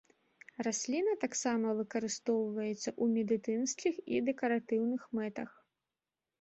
Расліна таксама выкарыстоўваецца ў медыцынскіх і дэкаратыўных мэтах.